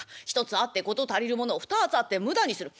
１つあって事足りるものを２つあって無駄にする。